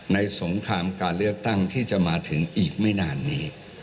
สงครามการเลือกตั้งที่จะมาถึงอีกไม่นานนี้